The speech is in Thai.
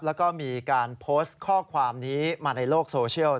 แล้วก็มีการโพสต์ข้อความนี้มาในโลกโซเชียล